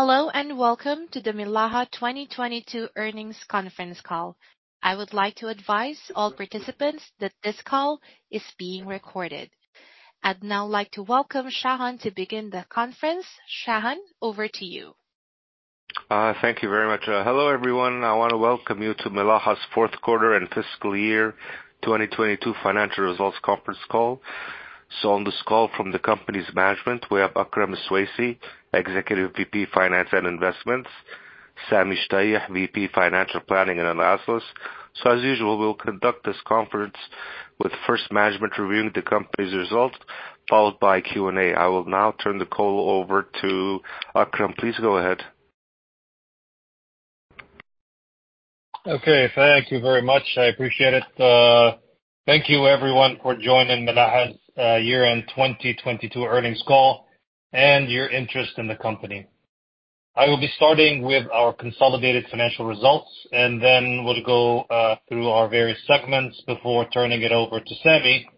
Hello, welcome to the Milaha 2022 earnings conference call. I would like to advise all participants that this call is being recorded. I'd now like to welcome Shahan to begin the conference. Shahan, over to you. Thank you very much. Hello, everyone. I wanna welcome you to Milaha's fourth quarter and fiscal year 2022 financial results conference call. On this call from the company's management, we have Akram Iswaisi, Executive VP of Finance and Investments, Sami Shtayyeh, VP of Financial Planning and Analysis. As usual, we'll conduct this conference with first management reviewing the company's results followed by Q&A. I will now turn the call over to Akram. Please go ahead. Okay. Thank you very much. I appreciate it. Thank you everyone for joining Milaha's year-end 2022 earnings call and your interest in the company. I will be starting with our consolidated financial results, then we'll go through our various segments before turning it over to Sami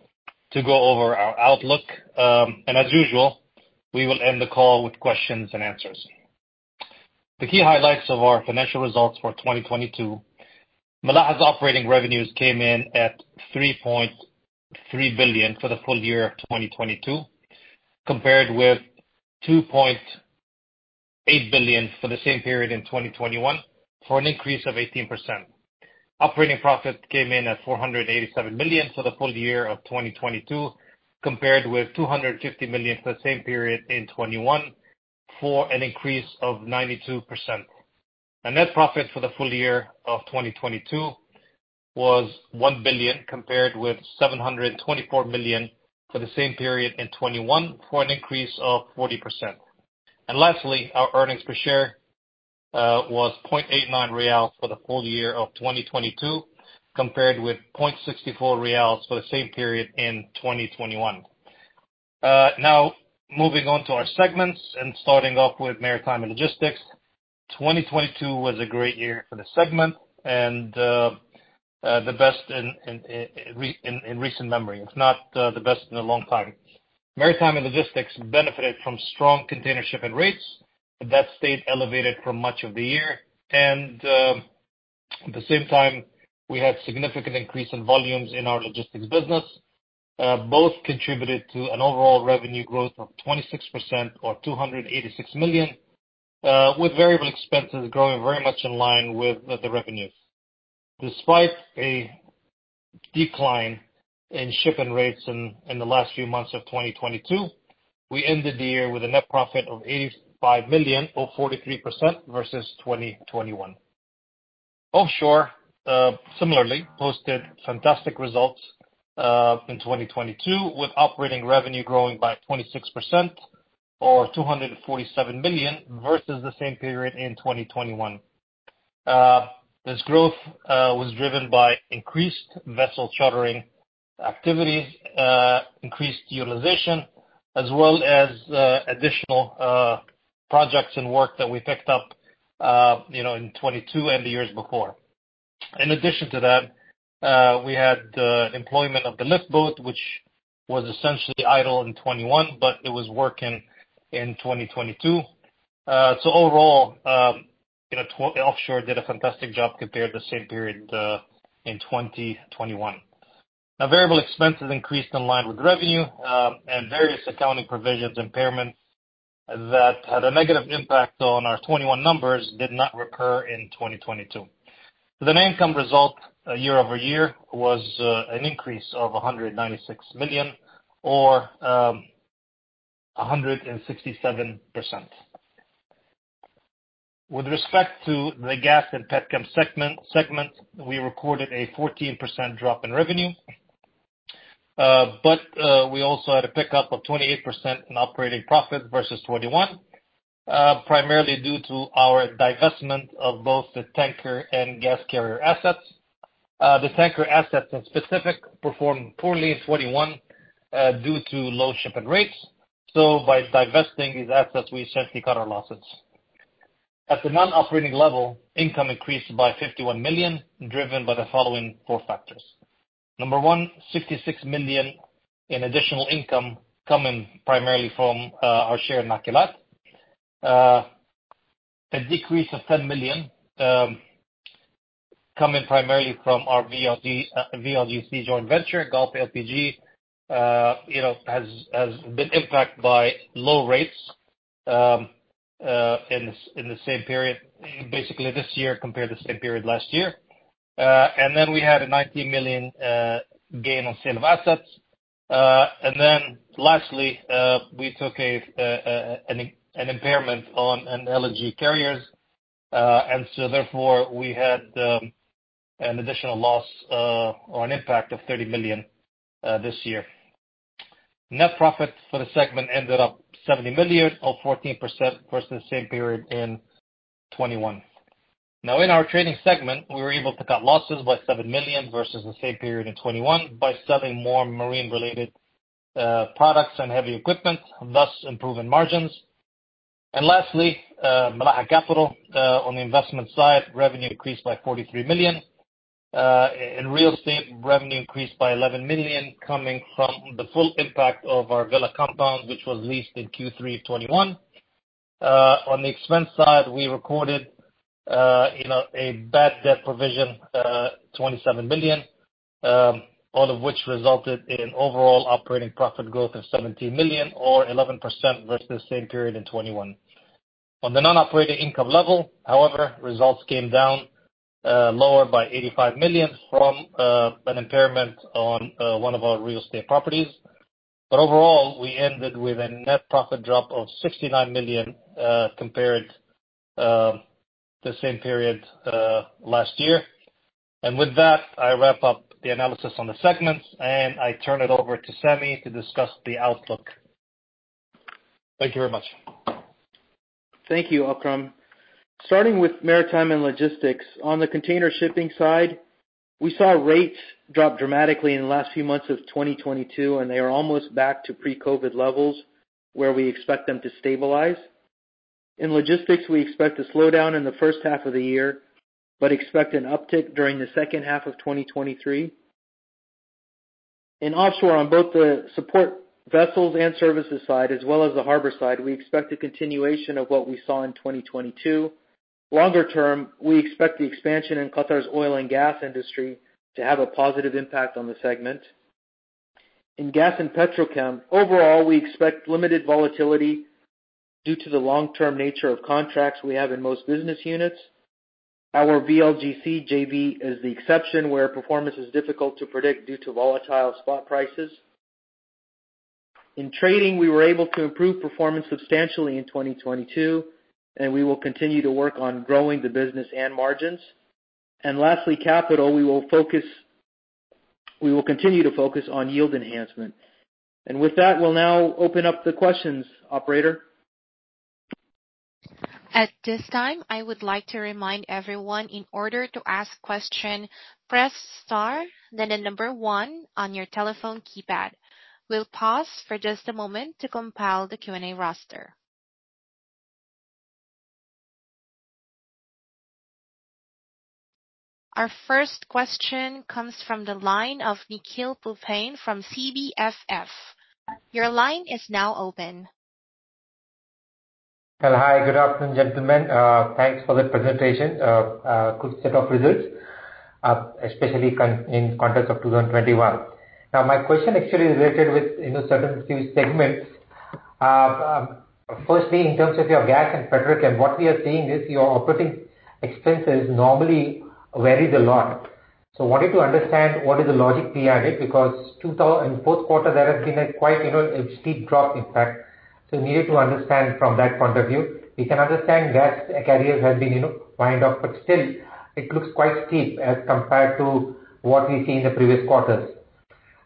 to go over our outlook. As usual, we will end the call with questions and answers. The key highlights of our financial results for 2022. Milaha's operating revenues came in at 3.3 billion for the full year of 2022, compared with 2.8 billion for the same period in 2021, for an increase of 18%. Operating profit came in at 487 million for the full year of 2022, compared with 250 million for the same period in 2021, for an increase of 92%. A net profit for the full year of 2022 was 1 billion, compared with 724 million for the same period in 2021, for an increase of 40%. Lastly, our earnings per share was QAR 0.89 for the full year of 2022, compared with QAR 0.64 for the same period in 2021. Now moving on to our segments and starting off with Maritime & Logistics. 2022 was a great year for the segment and the best in recent memory. If not, the best in a long time. Maritime & Logistics benefited from strong container shipping rates that stayed elevated for much of the year. At the same time, we had significant increase in volumes in our logistics business, both contributed to an overall revenue growth of 26% or 286 million, with variable expenses growing very much in line with the revenues. Despite a decline in shipping rates in the last few months of 2022, we ended the year with a net profit of 85 million or 43% versus 2021. Offshore similarly posted fantastic results in 2022, with operating revenue growing by 26% or 247 million versus the same period in 2021. This growth was driven by increased vessel chartering activities, increased utilization, as well as additional projects and work that we picked up, you know, in 2022 and the years before. In addition to that, we had employment of the liftboat, which was essentially idle in 2021, but it was working in 2022. Overall, you know, Offshore did a fantastic job compared to the same period in 2021. Now, variable expenses increased in line with revenue, and various accounting provisions, impairments that had a negative impact on our 2021 numbers did not recur in 2022. The net income result year-over-year was an increase of 196 million or 167%. With respect to the Gas & Petrochem segment, we recorded a 14% drop in revenue. We also had a pickup of 28% in operating profit versus 2021, primarily due to our divestment of both the tanker and gas carrier assets. The tanker assets in specific performed poorly in 2021, due to low shipping rates. By divesting these assets, we essentially cut our losses. At the non-operating level, income increased by 51 million, driven by the following four factors. Number one, 66 million in additional income coming primarily from our share in Nakilat. A decrease of 10 million coming primarily from our Gulf LPG joint venture. Gulf LPG, you know, has been impacted by low rates in the same period, basically this year compared to the same period last year. We had a 19 million gain on sale of assets. Lastly, we took an impairment on an LNG carriers. Therefore, we had an additional loss or an impact of 30 million this year. Net profit for the segment ended up 70 million or 14% versus the same period in 2021. In our Trading segment, we were able to cut losses by 7 million versus the same period in 2021 by selling more marine-related products and heavy equipment, thus improving margins. Lastly, Milaha Capital, on the investment side, revenue increased by 43 million. In real estate, revenue increased by 11 million coming from the full impact of our villa compound, which was leased in Q3 2021. On the expense side, we recorded, you know, a bad debt provision, 27 million, all of which resulted in an overall operating profit growth of 17 million or 11% versus same period in 2021. On the non-operating income level, however, results came down lower by 85 million from an impairment on one of our real estate properties. Overall, we ended with a net profit drop of 69 million, compared the same period last year. With that, I wrap up the analysis on the segments, and I turn it over to Sami to discuss the outlook. Thank you very much. Thank you, Akram. Starting with Maritime & Logistics. On the container shipping side, we saw rates drop dramatically in the last few months of 2022. They are almost back to pre-COVID levels, where we expect them to stabilize. In logistics, we expect to slow down in the first half of the year. We expect an uptick during the second half of 2023. In Offshore, on both the support vessels and services side as well as the harbor side, we expect a continuation of what we saw in 2022. Longer term, we expect the expansion in Qatar's oil and gas industry to have a positive impact on the segment. In Gas & Petrochem, overall, we expect limited volatility due to the long-term nature of contracts we have in most business units. Our VLGC JV is the exception where performance is difficult to predict due to volatile spot prices. In Trading, we were able to improve performance substantially in 2022, we will continue to work on growing the business and margins. Lastly, Capital, we will continue to focus on yield enhancement. With that, we'll now open up the questions. Operator? At this time, I would like to remind everyone in order to ask question, press star then 1 on your telephone keypad. We'll pause for just a moment to compile the Q&A roster. Our first question comes from the line of Nikhil Phutane from CBQFS. Your line is now open. Well, hi. Good afternoon, gentlemen. Thanks for the presentation. Good set of results, especially in context of 2021. Now, my question actually related with, you know, certain key segments. Firstly, in terms of your Gas & Petrochem, what we are seeing is your operating expenses normally varied a lot. Wanted to understand what is the logic behind it, because in fourth quarter, there has been a quite, you know, a steep drop in fact. We needed to understand from that point of view. We can understand gas carriers have been, you know, wind off, but still, it looks quite steep as compared to what we see in the previous quarters.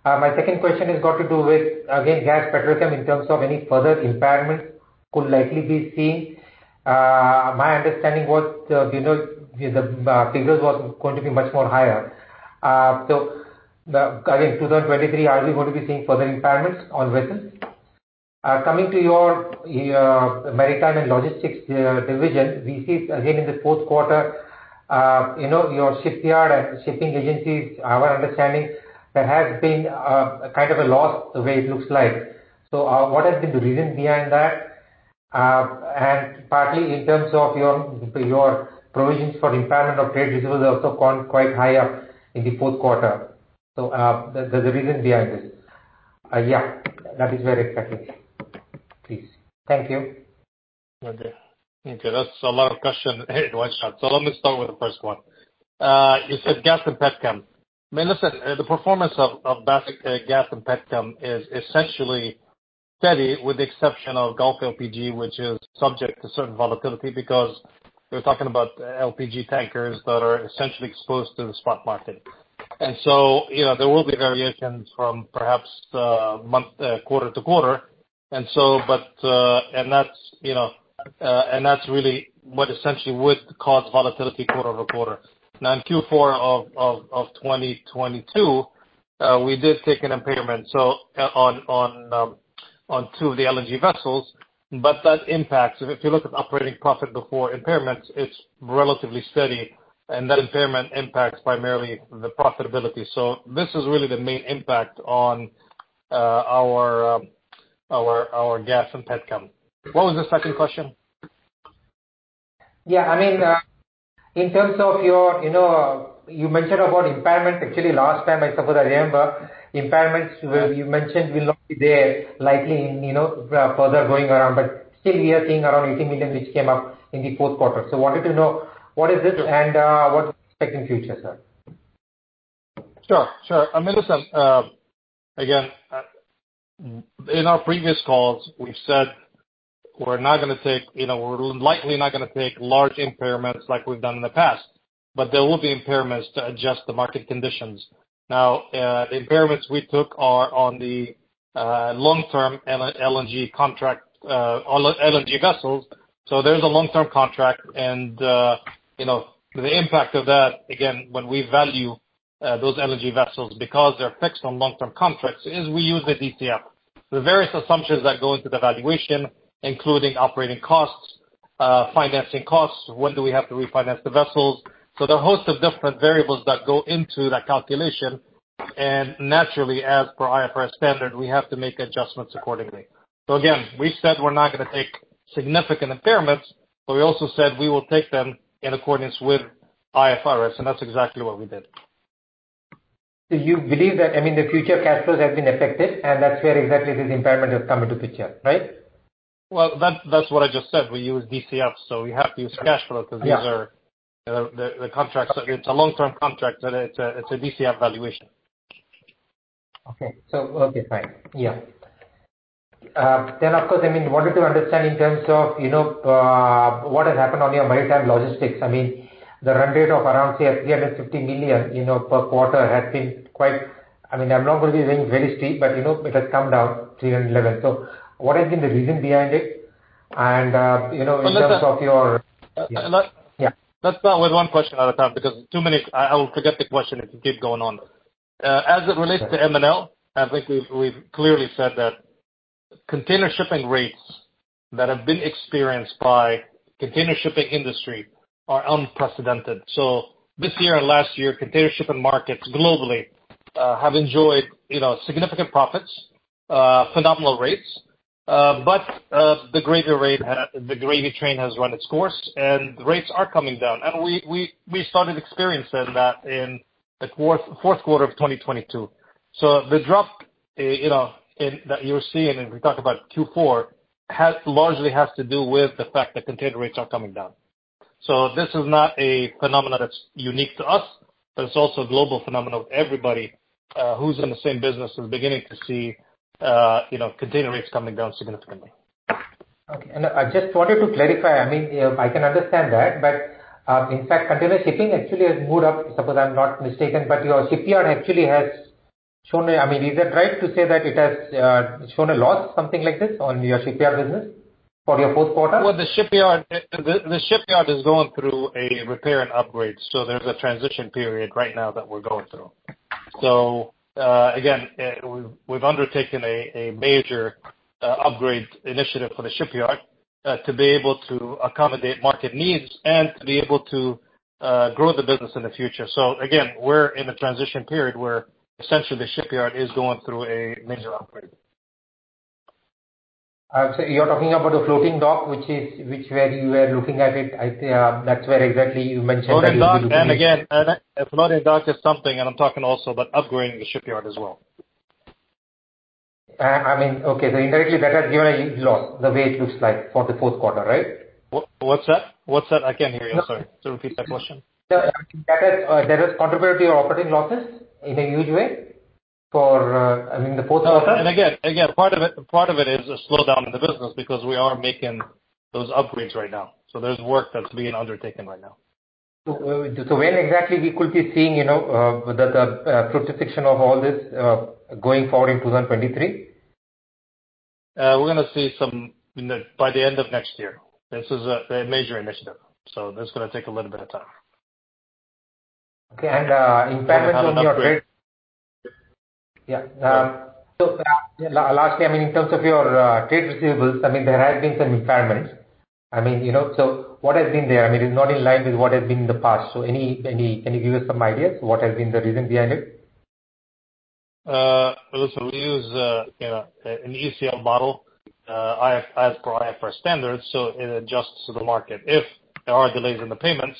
My second question has got to do with, again, Gas & Petrochem in terms of any further impairment could likely be seen. My understanding was, you know, the figures was going to be much more higher. Again, 2023, are we going to be seeing further impairments on vessels? Coming to your Maritime & Logistics division, we see again in the fourth quarter, you know, your shipyard and shipping agencies, our understanding, there has been kind of a loss the way it looks like. What has been the reason behind that? Partly in terms of your provisions for impairment of trade, this was also gone quite high up in the fourth quarter. The reason behind this? Yeah, that is where expecting, please. Thank you. Okay. That's a lot of question in one shot. Let me start with the first one. You said Gas & Petrochem. I mean, listen, the performance of basic Gas & Petrochem is essentially steady with the exception of Gulf LPG, which is subject to certain volatility because we're talking about LPG tankers that are essentially exposed to the spot market. You know, there will be variations from perhaps month, quarter to quarter. That's, you know, and that's really what essentially would cause volatility quarter over quarter. Now, in Q4 2022, we did take an impairment, so, on two of the LNG vessels. If you look at operating profit before impairments, it's relatively steady, and that impairment impacts primarily the profitability. This is really the main impact on our Gas & Petrochem. What was the second question? Yeah, I mean, in terms of your, you know, you mentioned about impairments actually last time, I suppose I remember. Impairments, you mentioned will not be there likely in, you know, further going around. Still we are seeing around 18 million which came up in the fourth quarter. Wanted to know what is it and, what to expect in future, sir? Sure. Sure. I mean, listen, again, In our previous calls, we've said we're not gonna take, you know, we're likely not gonna take large impairments like we've done in the past, but there will be impairments to adjust the market conditions. Now, the impairments we took are on the long-term LNG contract, on LNG vessels, there's a long-term contract. You know, the impact of that, again, when we value those LNG vessels because they're fixed on long-term contracts, is we use the DCF. The various assumptions that go into the valuation, including operating costs, financing costs, when do we have to refinance the vessels? There are a host of different variables that go into that calculation. Naturally, as per IFRS standard, we have to make adjustments accordingly. Again, we said we're not gonna take significant impairments, but we also said we will take them in accordance with IFRS, and that's exactly what we did. Do you believe that I mean, the future cash flows have been affected, and that's where exactly this impairment has come into picture, right? Well, that's what I just said. We use DCF, we have to use cash flow. Yeah. these are the contracts. It's a long-term contract, so it's a DCF valuation. Okay, okay, fine. Yeah. Of course, I mean, wanted to understand in terms of, you know, what has happened on your Maritime & Logistics. I mean, the run rate of around, say, 350 million, you know, per quarter has been quite. I'm not gonna be saying very steep, but you know, it has come down to a level. What has been the reason behind it? You know, in terms of your. Let's start- Yeah. Let's start with one question at a time because too many, I will forget the question if you keep going on. As it relates to M&L, I think we've clearly said that container shipping rates that have been experienced by container shipping industry are unprecedented. This year and last year, container shipping markets globally have enjoyed, you know, significant profits, phenomenal rates. The gravy train has run its course, the rates are coming down. We started experiencing that in the fourth quarter of 2022. The drop, you know, that you're seeing, we talk about Q4, has largely to do with the fact that container rates are coming down. This is not a phenomenon that's unique to us, but it's also a global phenomenon of everybody, who's in the same business is beginning to see, you know, container rates coming down significantly. Okay. I just wanted to clarify. I mean, I can understand that, but in fact, container shipping actually has moved up, suppose I'm not mistaken, but your shipyard actually, I mean, is it right to say that it has shown a loss, something like this, on your shipyard business for your fourth quarter? Well, the shipyard, the shipyard is going through a repair and upgrade. There's a transition period right now that we're going through. Again, we've undertaken a major upgrade initiative for the shipyard to be able to accommodate market needs and to be able to grow the business in the future. Again, we're in a transition period where essentially the shipyard is going through a major upgrade. You're talking about the floating dock, which is, which where you were looking at it. I think, that's where exactly you mentioned that it will be. Floating dock, and again, and it's not a dock, it's something. I'm talking also about upgrading the shipyard as well. I mean, indirectly, that has given a huge loss the way it looks like for the fourth quarter, right? What's that? I can't hear you. Sorry. Repeat that question. That has, there is contribution to your operating losses in a huge way for, I mean, the fourth quarter. Again, part of it is a slowdown in the business because we are making those upgrades right now. There's work that's being undertaken right now. When exactly we could be seeing, you know, the fruition of all this going forward in 2023? We're gonna see some in the by the end of next year. This is a major initiative. That's gonna take a little bit of time. Okay. impairment on your trade- Upgrades. Yeah. Lastly, I mean, in terms of your trade receivables, I mean, there has been some impairments. I mean, you know, what has been there? I mean, it's not in line with what has been in the past. Any, can you give us some ideas what has been the reason behind it? Listen, we use, you know, an ECL model, I have, as per IFRS standards, so it adjusts to the market. If there are delays in the payments,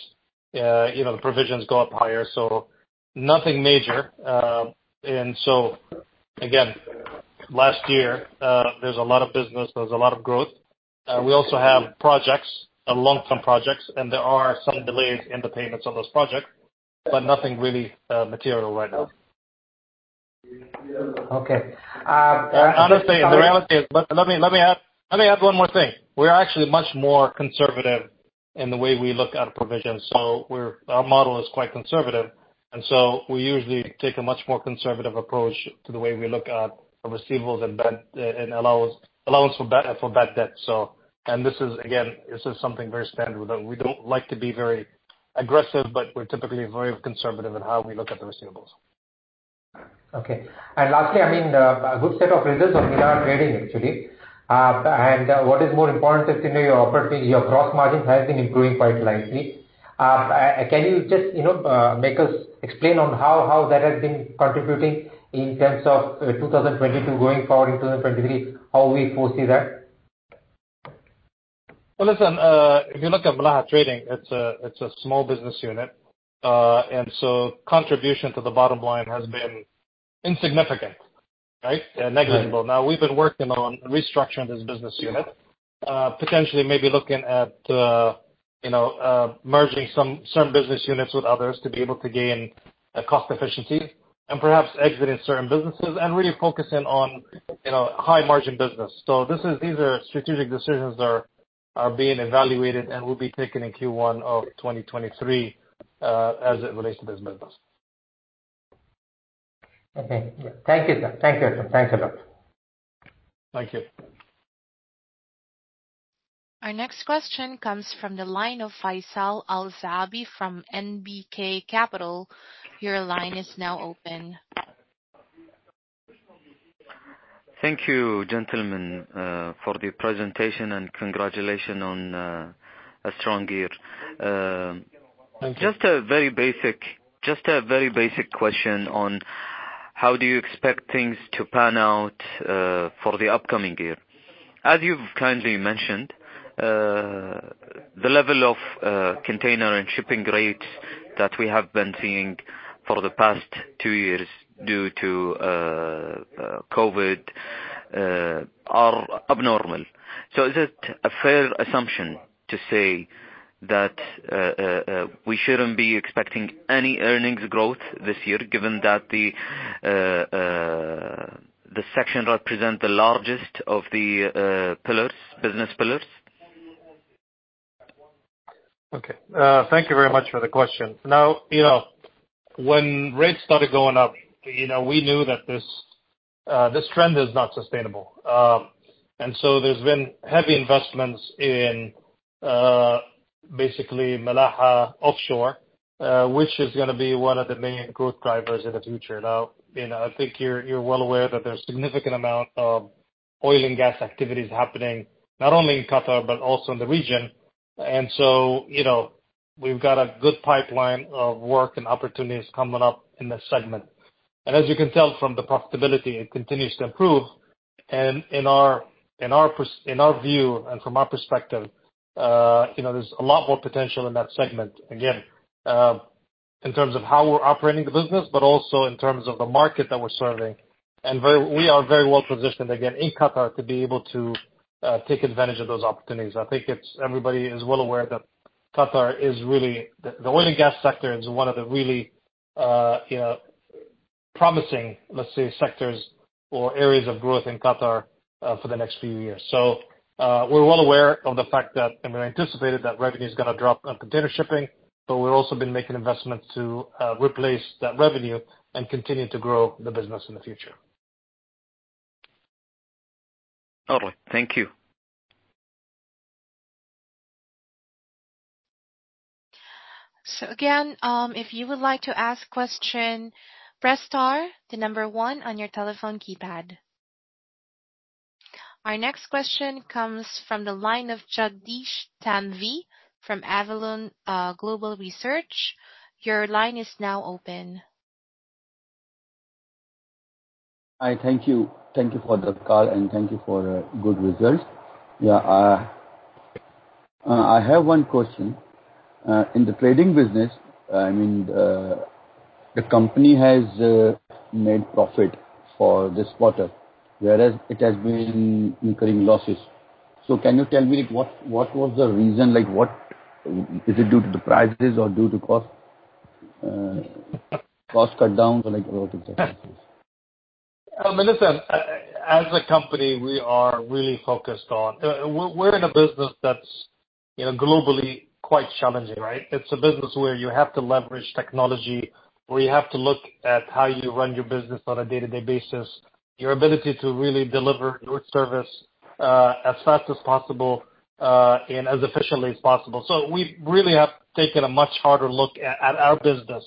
you know, the provisions go up higher, so nothing major. Again, last year, there's a lot of business, there's a lot of growth. We also have projects, long-term projects, and there are some delays in the payments on those projects, but nothing really, material right now. Okay. Honestly, the reality is. Let me add one more thing. We are actually much more conservative in the way we look at provisions. Our model is quite conservative. We usually take a much more conservative approach to the way we look at receivables and allowance for bad debt. This is again, this is something very standard with them. We don't like to be very aggressive, but we're typically very conservative in how we look at the receivables. Okay. lastly, I mean, a good set of results of Milaha Trading actually. can you just, you know, make us explain on how that has been contributing in terms of 2022 going forward in 2023, how we foresee that? Well, listen, if you look at Milaha Trading, it's a small business unit. Contribution to the bottom line has been insignificant, right? Right. negligible. We've been working on restructuring this business unit. Yeah. Potentially maybe looking at, you know, merging some, certain business units with others to be able to gain, cost efficiency and perhaps exiting certain businesses and really focusing on, you know, high margin business. These are strategic decisions that are being evaluated and will be taken in Q1 2023, as it relates to this business. Okay. Thank you, sir. Thank you, sir. Thanks a lot. Thank you. Our next question comes from the line of Faisal Al Zaabi from NBK Capital. Your line is now open. Thank you, gentlemen, for the presentation, and congratulations on a strong year. Thank you. Just a very basic question on how do you expect things to pan out for the upcoming year. As you've kindly mentioned, the level of container and shipping rates that we have been seeing for the past two years due to COVID are abnormal. Is it a fair assumption to say that we shouldn't be expecting any earnings growth this year given that the section represent the largest of the pillars, business pillars? Okay. Thank you very much for the question. You know, when rates started going up, you know, we knew that this trend is not sustainable. There's been heavy investments in basically Milaha Offshore, which is gonna be one of the main growth drivers in the future. You know, I think you're well aware that there's significant amount of oil and gas activities happening, not only in Qatar but also in the region. You know, we've got a good pipeline of work and opportunities coming up in this segment. As you can tell from the profitability, it continues to improve. In our view and from our perspective, you know, there's a lot more potential in that segment, again, in terms of how we're operating the business but also in terms of the market that we're serving. We are very well-positioned again in Qatar to be able to take advantage of those opportunities. I think it's everybody is well aware that Qatar is really The oil and gas sector is one of the really, you know, promising, let's say, sectors or areas of growth in Qatar for the next few years. We're well aware of the fact that, and we anticipated that revenue is gonna drop on container shipping, but we've also been making investments to replace that revenue and continue to grow the business in the future. Okay. Thank you. Again, if you would like to ask question, press star then 1 on your telephone keypad. Our next question comes from the line of Jagdish Thanvi from Avalon Global Research. Your line is now open. Hi. Thank you. Thank you for the call, and thank you for the good results. Yeah. I have one question. In the Trading business, I mean, the company has made profit for this quarter, whereas it has been incurring losses. Can you tell me what was the reason? Like, is it due to the prices or due to cost cut down or like what exactly? Listen, as a company, we are really focused on... we're in a business that's, you know, globally quite challenging, right? It's a business where you have to leverage technology, where you have to look at how you run your business on a day-to-day basis, your ability to really deliver good service, as fast as possible, and as efficiently as possible. We really have taken a much harder look at our business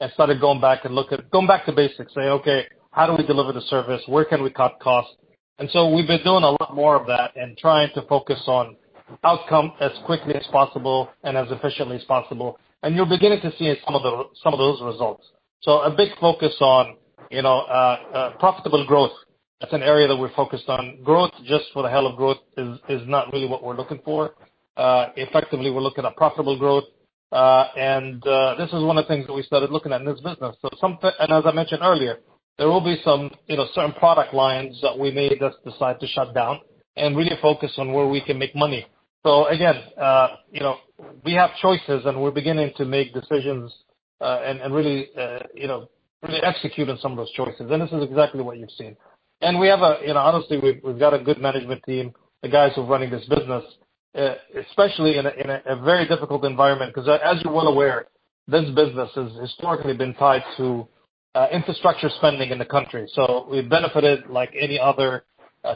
and started going back to basics. Say, "Okay, how do we deliver the service? Where can we cut costs?" We've been doing a lot more of that and trying to focus on outcome as quickly as possible and as efficiently as possible. You're beginning to see some of those results. A big focus on, you know, profitable growth. That's an area that we're focused on. Growth just for the hell of growth is not really what we're looking for. Effectively, we're looking at profitable growth. This is one of the things that we started looking at in this business. As I mentioned earlier, there will be some, you know, certain product lines that we may just decide to shut down and really focus on where we can make money. You know, we have choices, and we're beginning to make decisions, and really, you know, execute on some of those choices. This is exactly what you've seen. We have a, you know, honestly, we've got a good management team, the guys who are running this business, especially in a very difficult environment, 'cause as you're well aware, this business has historically been tied to infrastructure spending in the country. We've benefited like any other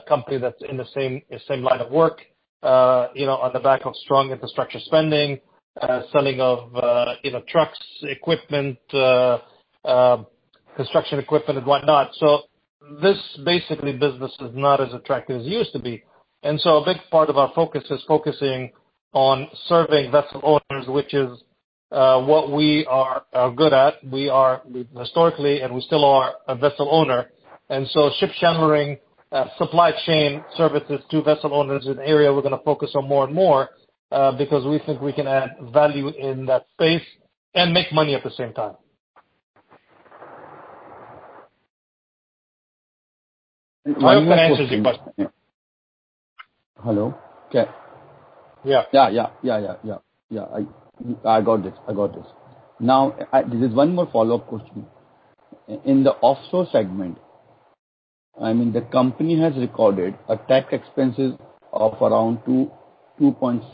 company that's in the same line of work, you know, on the back of strong infrastructure spending, selling of, you know, trucks, equipment, construction equipment and whatnot. This basically business is not as attractive as it used to be. A big part of our focus is focusing on serving vessel owners, which is what we are good at. We are historically and we still are a vessel owner. Ship chartering, supply chain services to vessel owners is an area we're gonna focus on more and more, because we think we can add value in that space and make money at the same time. I hope that answers your question. Hello? Yeah. Yeah. Yeah. Yeah. Yeah. Yeah. Yeah. I got this. I got this. This is one more follow-up question. In the Offshore segment, I mean, the company has recorded a tax expenses of around 2.7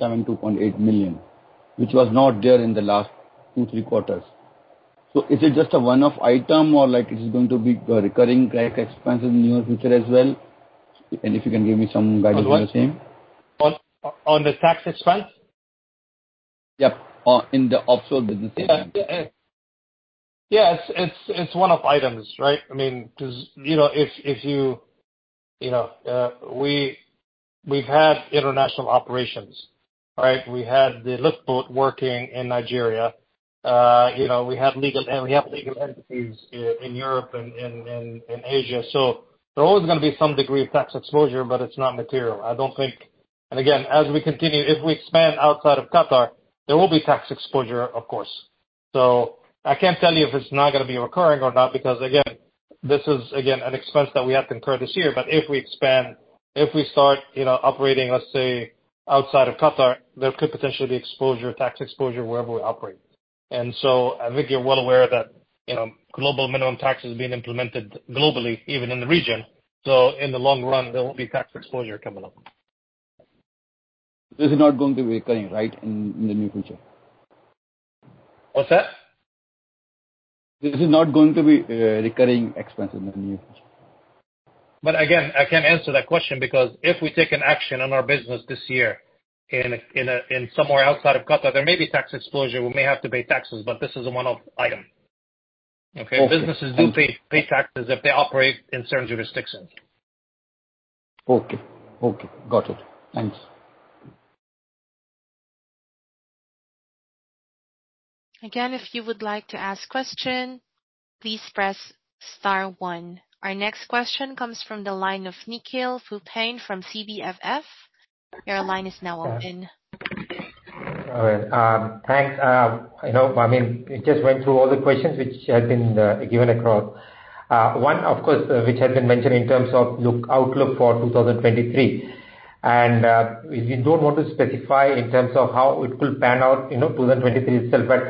million-2.8 million, which was not there in the last two, three quarters. Is it just a one-off item or like it is going to be recurring tax expense in near future as well? If you can give me some guidance on the same. On what? On the tax expense? Yep. Or in the Offshore business, yeah. it's one-off items, right? I mean, 'cause, you know, if you... You know, we've had international operations, all right. We had the liftboat working in Nigeria. You know, we have legal entities in Europe and Asia. There's always gonna be some degree of tax exposure, but it's not material. I don't think. Again, as we continue, if we expand outside of Qatar, there will be tax exposure, of course. I can't tell you if it's not gonna be recurring or not because, again, this is an expense that we have incurred this year. If we expand, if we start, you know, operating, let's say, outside of Qatar, there could potentially be exposure, tax exposure wherever we operate. I think you're well aware that, you know, global minimum tax is being implemented globally, even in the region. In the long run, there will be tax exposure coming up. This is not going to be recurring, right? In the near future. What's that? This is not going to be a recurring expense in the near future. Again, I can't answer that question because if we take an action on our business this year in somewhere outside of Qatar, there may be tax exposure. We may have to pay taxes, but this is a one-off item. Okay? Okay. Businesses do pay taxes if they operate in certain jurisdictions. Okay. Okay. Got it. Thanks. If you would like to ask question, please press star one. Our next question comes from the line of Nikhil Phutane from CBQFS. Your line is now open. All right. Thanks. You know, I mean, it just went through all the questions which had been given across. One, of course, which had been mentioned in terms of outlook for 2023. If you don't want to specify in terms of how it will pan out, you know, 2023 itself, but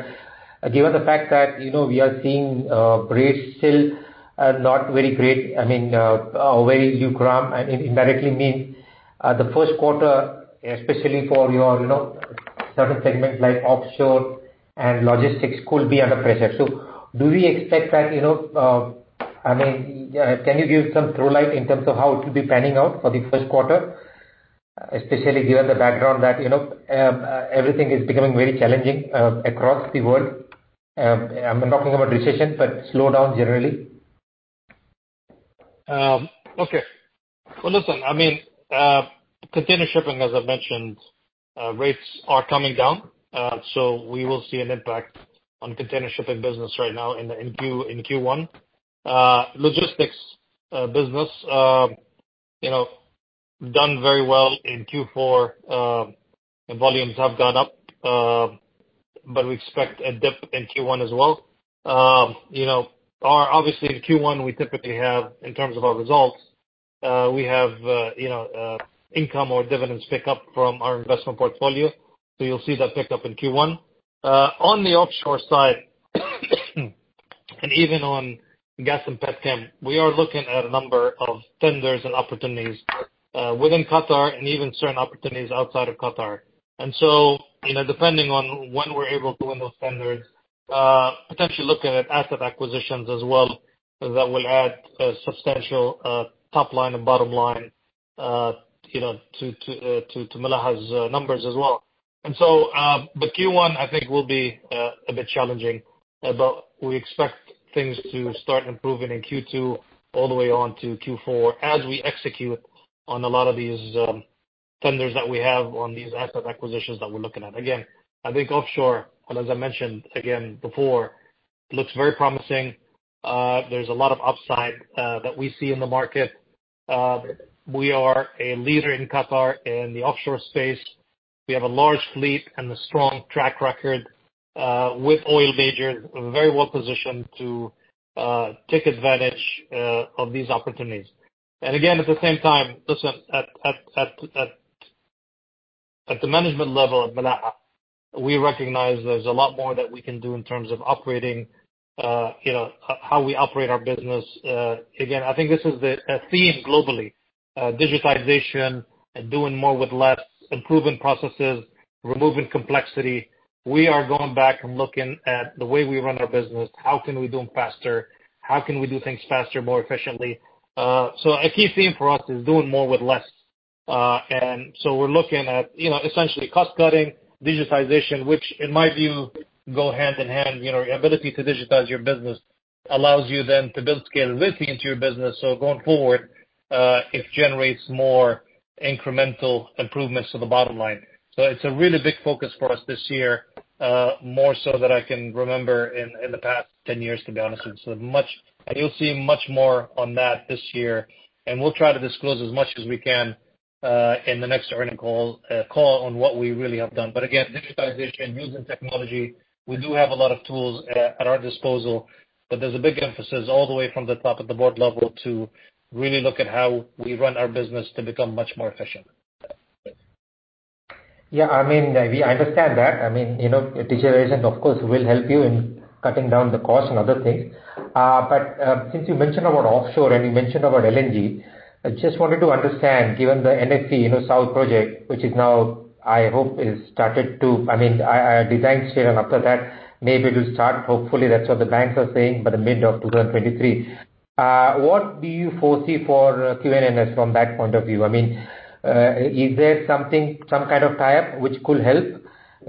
given the fact that, you know, we are seeing rates still not very great. I mean, very lukewarm and it indirectly means the first quarter, especially for your, you know, certain segments like Offshore and logistics could be under pressure. Do we expect that, you know, I mean, can you give some through light in terms of how it will be panning out for the first quarter, especially given the background that, you know, everything is becoming very challenging across the world? I'm talking about recession, but slowdown generally. Okay. Well, listen, I mean, container shipping, as I mentioned, rates are coming down. We will see an impact on container shipping business right now in Q1. Logistics business, you know, done very well in Q4. Volumes have gone up. We expect a dip in Q1 as well. You know, obviously in Q1, we typically have, in terms of our results, we have, you know, income or dividends pick up from our investment portfolio. You'll see that pick up in Q1. On the Offshore side, even on Gas & Petrochem, we are looking at a number of tenders and opportunities, within Qatar and even certain opportunities outside of Qatar. You know, depending on when we're able to win those tenders, potentially looking at asset acquisitions as well that will add a substantial top line and bottom line, you know, to Milaha's numbers as well. But Q1, I think will be a bit challenging, but we expect things to start improving in Q2 all the way on to Q4 as we execute on a lot of these tenders that we have on these asset acquisitions that we're looking at. Again, I think Offshore, and as I mentioned again before, looks very promising. There's a lot of upside that we see in the market. We are a leader in Qatar in the Offshore space. We have a large fleet and a strong track record with oil majors. We're very well positioned to take advantage of these opportunities. Again, at the same time, listen, at the management level at Milaha, we recognize there's a lot more that we can do in terms of operating, you know, how we operate our business. Again, I think this is the, a theme globally, digitization and doing more with less, improving processes, removing complexity. We are going back and looking at the way we run our business. How can we do things faster, more efficiently? A key theme for us is doing more with less. We're looking at, you know, essentially cost-cutting, digitization, which in my view go hand in hand. You know, your ability to digitize your business allows you then to build scale really into your business. Going forward, it generates more incremental improvements to the bottom line. It's a really big focus for us this year, more so than I can remember in the past 10 years, to be honest with you. You'll see much more on that this year, and we'll try to disclose as much as we can, in the next earnings call on what we really have done. Again, digitization, using technology, we do have a lot of tools at our disposal, but there's a big emphasis all the way from the top at the board level to really look at how we run our business to become much more efficient. Yeah. I mean, we understand that. I mean, you know, digitization, of course, will help you in cutting down the cost and other things. Since you mentioned about Offshore and you mentioned about LNG, I just wanted to understand, given the NFE, you know, South project, which is now I hope is started to design stage and after that, maybe it'll start hopefully. That's what the banks are saying by the mid of 2023. What do you foresee for QNNS from that point of view? I mean, is there something, some kind of tie-up which could help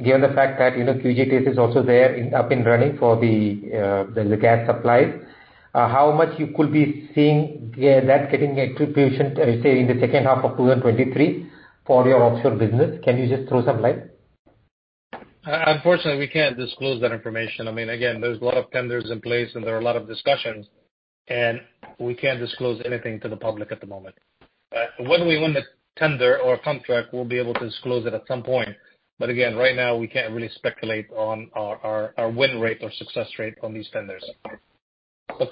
given the fact that, you know, Qatargas is also there in, up and running for the gas supply? How much you could be seeing that getting attribution, say, in the second half of 2023 for your Offshore business. Can you just throw some light? Unfortunately, we can't disclose that information. I mean, again, there's a lot of tenders in place and there are a lot of discussions, and we can't disclose anything to the public at the moment. Whether we win the tender or contract, we'll be able to disclose it at some point. Again, right now we can't really speculate on our win rate or success rate on these tenders.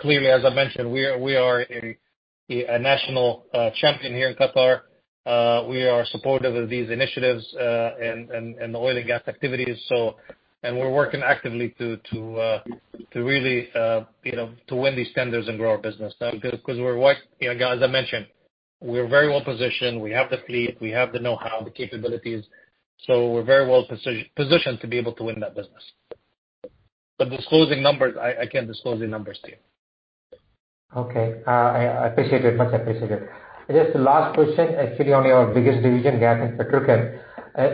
Clearly, as I mentioned, we are a national champion here in Qatar. We are supportive of these initiatives, and the oil and gas activities. We're working actively to really, you know, to win these tenders and grow our business. 'Cause we're what... You know, guys, as I mentioned, we're very well-positioned. We have the fleet. We have the know-how, the capabilities, so we're very well positioned to be able to win that business. Disclosing numbers, I can't disclose any numbers to you. Okay. I appreciate it. Much appreciated. Just the last question actually on your biggest division, Gas & Petrochemical.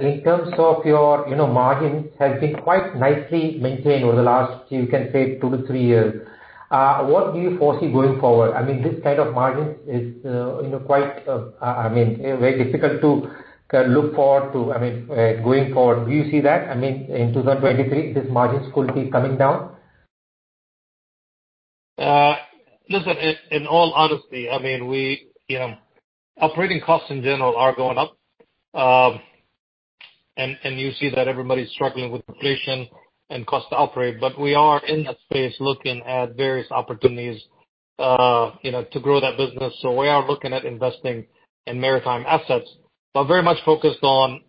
In terms of your, you know, margins has been quite nicely maintained over the last, you can say two to three years. What do you foresee going forward? I mean, this kind of margins is, you know, quite, I mean, very difficult to look forward to. I mean, going forward, do you see that? I mean, in 2023, these margins could be coming down. Listen, in all honesty, I mean, we, you know, operating costs in general are going up. You see that everybody's struggling with inflation and cost to operate. We are in that space looking at various opportunities to grow that business. We are looking at investing in maritime assets, but very much focused on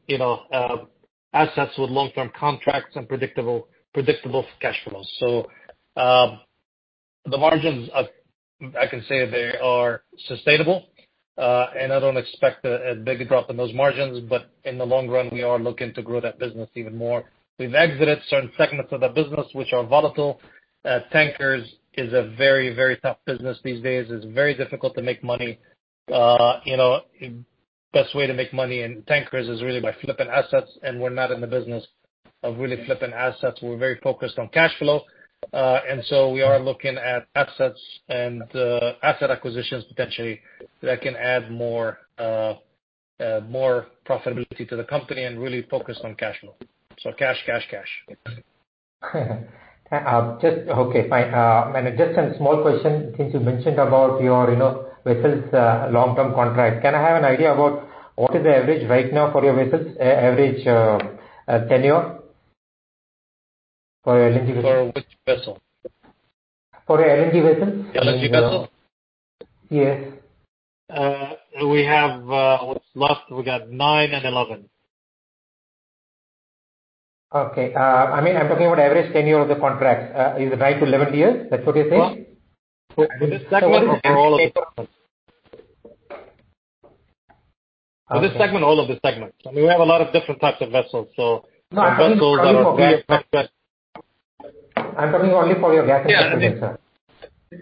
assets with long-term contracts and predictable cash flows. The margins are, I can say they are sustainable, and I don't expect a big drop in those margins, but in the long run, we are looking to grow that business even more. We've exited certain segments of that business which are volatile. Tankers is a very tough business these days. It's very difficult to make money. you know, best way to make money in tankers is really by flipping assets, and we're not in the business of really flipping assets. We're very focused on cash flow. We are looking at assets and asset acquisitions potentially that can add more, more profitability to the company and really focused on cash flow. Cash, cash. Just. Okay, fine. Just one small question, since you mentioned about your, you know, vessels, long-term contract. Can I have an idea about what is the average rate now for your vessels, average tenure for your LNG vessel? For which vessel? For your LNG vessel. LNG vessel? Yes. We have. What's last? We got nine and 11. Okay. I mean, I'm talking about average tenure of the contract. Is it nine-11 years? That's what you're saying? For this segment or for all of the segments? Okay. For this segment or all of the segments? I mean, we have a lot of different types of vessels. No, I'm talking of your- Our vessels are very complex. I'm talking only for your Gas & Petrochemical. Yeah.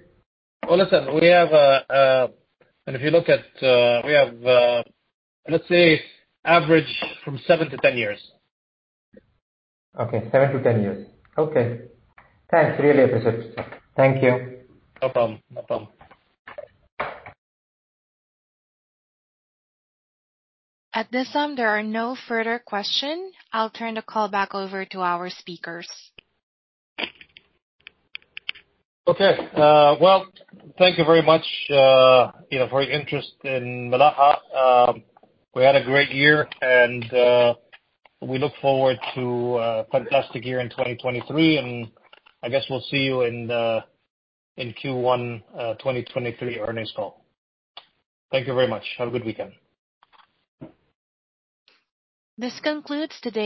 Well, listen, we have. If you look at, we have, let's say average from seven-10 years. Okay. seven-10 years. Okay. Thanks. Really appreciate it. Thank you. No problem. No problem. At this time, there are no further question. I'll turn the call back over to our speakers. Okay. Well, thank you very much, you know, for your interest in Milaha. We had a great year, and, we look forward to a fantastic year in 2023, and I guess we'll see you in Q1, 2023 earnings call. Thank you very much. Have a good weekend. This concludes today's...